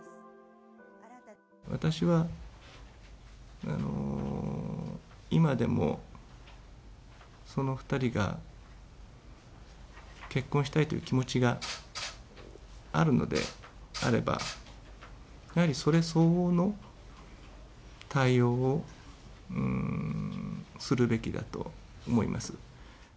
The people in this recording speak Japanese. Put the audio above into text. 私は今でもその２人が、結婚したいという気持ちがあるのであれば、やはりそれ相応の対応をするべきだと思います。